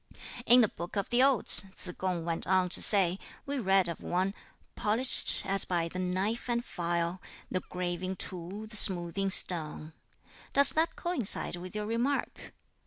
"In the 'Book of the Odes,'" Tsz kung went on to say, "we read of one Polished, as by the knife and file, The graving tool, the smoothing stone. Does that coincide with your remark?"